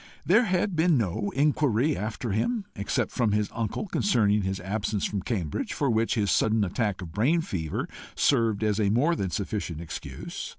There had been no inquiry after him, except from his uncle, concerning his absence from Cambridge, for which his sudden attack of brain fever served as more than sufficient excuse.